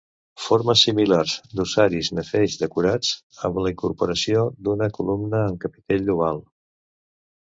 Formes similars d'ossaris nefeix decorats, amb la incorporació d'una columna amb capitell oval.